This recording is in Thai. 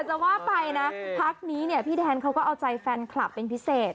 จะว่าไปนะพักนี้เนี่ยพี่แดนเขาก็เอาใจแฟนคลับเป็นพิเศษ